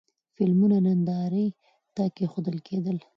فلمونه نندارې ته کېښودل کېدل.